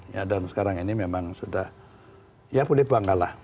ya dan sekarang ini memang sudah ya kulit bangga lah